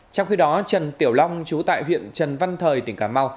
trong khi đó trần tiểu long chú tại huyện trần văn thời tỉnh cà mau